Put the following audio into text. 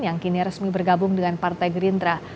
yang kini resmi bergabung dengan partai gerindra